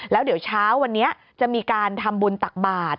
แล้วเดี๋ยวเช้าวันนี้จะมีการทำบุญตักบาท